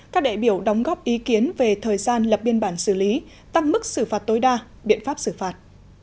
các đại biểu đóng góp ý kiến về thời gian lập biên bản xử lý tăng mức xử phạt tối đa biện pháp xử phạt